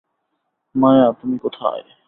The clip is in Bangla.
মায়া, তুমি কোথায়?